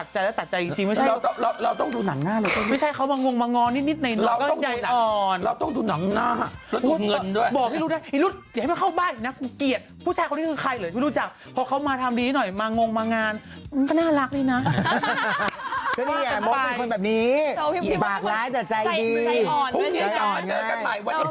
จริงเย้อ้ำไม่มีใครกล้าเข้ามาในชีวิตเธอแล้วล่ะ